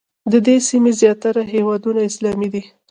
د دې سیمې زیاتره هېوادونه اسلامي دي.